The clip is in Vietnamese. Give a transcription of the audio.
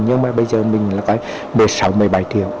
nhưng mà bây giờ mình là coi một mươi sáu một mươi bảy triệu